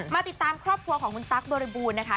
ติดตามครอบครัวของคุณตั๊กบริบูรณ์นะคะ